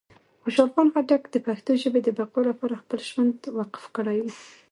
خوشحال خان خټک د پښتو ژبې د بقا لپاره خپل ژوند وقف کړی و.